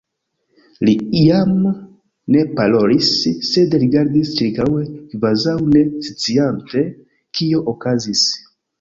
Li jam ne parolis, sed rigardis ĉirkaŭe kvazaŭ ne sciante kio okazis.